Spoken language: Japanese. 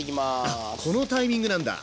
あっこのタイミングなんだ。